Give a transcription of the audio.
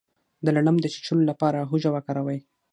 د لړم د چیچلو لپاره هوږه وکاروئ